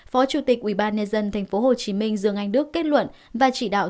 phó chủ tịch ubnd tp hcm dương anh đức kết luận và chỉ đạo